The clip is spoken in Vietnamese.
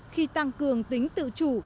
khi tăng cường tính tự chủ